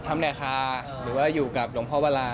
ธรรมเนคาหรือว่าอยู่กับหลวงพระวรา